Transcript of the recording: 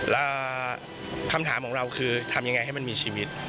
แล้วคำถามของเราคือทำยังไงให้มันมีชีวิต